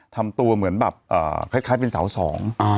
ทำตัวเหมือนแบบคล้ายเป็นสาวสอง